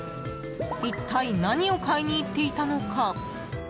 一体、何を買いにいっていたのか。